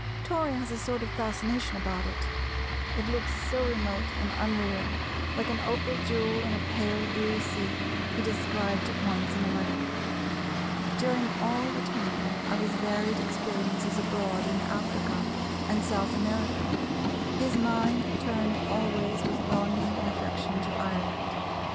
Tory has a sort of fascination about it, it looks so remote and unreal, "like an opal jewel in a pale blue sea," he described it once in a letter. During all the time of his varied experiences abroad in Africa and South America, his mind turned always with longing and affection to Ireland.